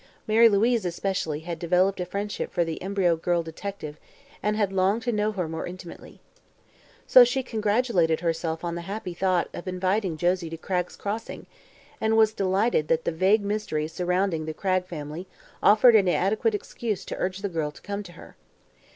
Mary Louise, especially, had developed a friendship for the embryo girl detective and had longed to know her more intimately. So she congratulated herself on the happy thought of inviting Josie to Cragg's Crossing and was delighted that the vague mystery surrounding the Cragg family offered an adequate excuse to urge the girl to come to her.